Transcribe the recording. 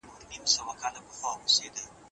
ما تېره اونۍ د هیواد په کلتور یو مستند فلم ولیدی.